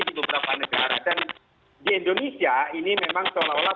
jadi ketika mereka mulai mengejar kelepasan negara dan di indonesia ini memang seolah olah